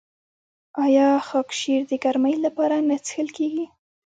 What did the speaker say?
آیا خاکشیر د ګرمۍ لپاره نه څښل کیږي؟